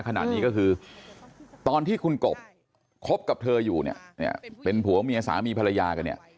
ขณะนี้ก็คือตอนที่คุณกบคบกับเธออยู่เนี่ยเป็นผัวเมียสามีภรรยากันเนี่ย